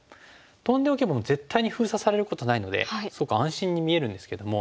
トンでおけばもう絶対に封鎖されることないのですごく安心に見えるんですけども。